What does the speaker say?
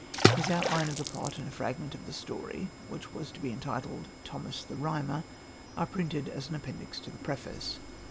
His outline of the plot and a fragment of the story, which was to be entitled Thomas the Rhymer, are printed as an appendix to the preface.